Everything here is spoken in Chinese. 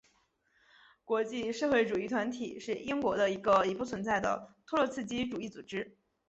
国际社会主义团体是英国的一个已不存在的托洛茨基主义组织。